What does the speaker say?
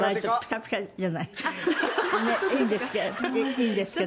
いいんですけど。